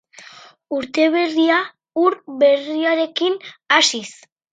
Urte berria, ur berriarekin hasiz.